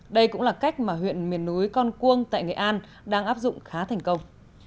đây cũng là cách mà huyện miền núi con cuông tại nghệ an đang áp dụng khá thành công